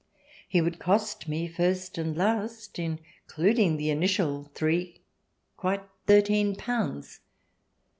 He would cost me first and last, including the initial three, quite thirteen pounds.